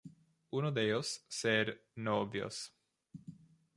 Uno de ellos ser "no obvios".